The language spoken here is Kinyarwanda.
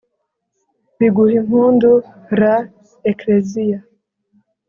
biguh'impundu, +r, ekleziya